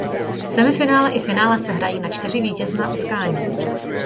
Semifinále i finále se hrají na čtyři vítězná utkání.